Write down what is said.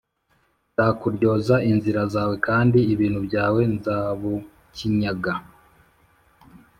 Nzakuryoza inzira zawe kandi ibintu byawe nzabukinyaga